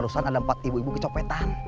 terus ada empat ibu ibu kecopetan